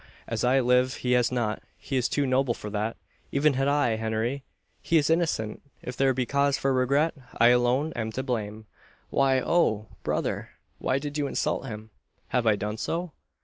As I live he has not. He is too noble for that even had I Henry! he is innocent! If there be cause for regret, I alone am to blame. Why oh! brother! why did you insult him?" "Have I done so?"